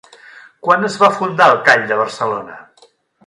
Quan es va fundar el Call de Barcelona?